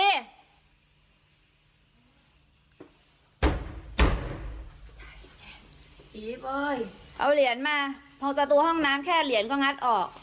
ไอ้แชมพ์เอาเหรียญมาพ้นตระตู้ห้องน้ำแค่เหรียญก็งัดออก